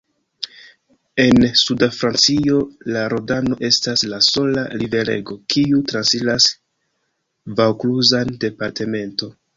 En sudfrancio la Rodano estas la sola riverego kiu transiras vaŭkluzan departemento.